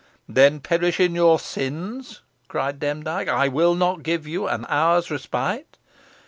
"Then perish in your sins," cried Demdike, "I will not give you an hour's respite."